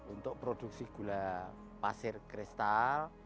untuk produksi gula pasir kristal